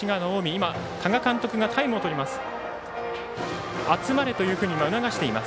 今、多賀監督がタイムを取ります。